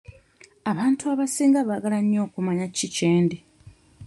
Abantu abasinga baagala nnyo okumanya ki kyendi.